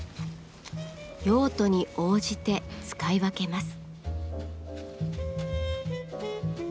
用途に応じて使い分けます。